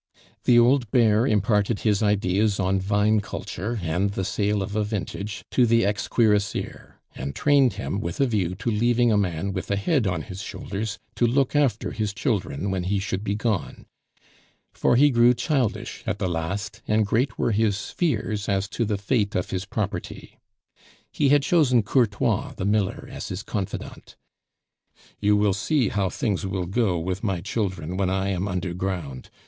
The old "bear" imparted his ideas on vine culture and the sale of a vintage to the ex cuirassier, and trained him with a view to leaving a man with a head on his shoulders to look after his children when he should be gone; for he grew childish at the last, and great were his fears as to the fate of his property. He had chosen Courtois the miller as his confidant. "You will see how things will go with my children when I am under ground.